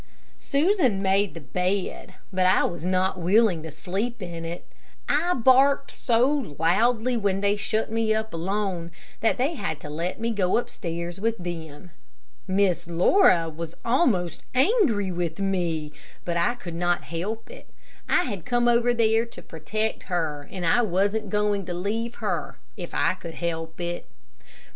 Susan made the bed, but I was not willing to sleep in it. I barked so loudly when they shut me up alone, that they had to let me go upstairs with them. Miss Laura was almost angry with me, but I could not help it. I had come over there to protect her, and I wasn't going to leave her, if I could help it.